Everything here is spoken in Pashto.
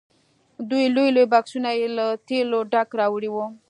دوه لوی لوی بکسونه یې له تېلو ډک راوړي وو.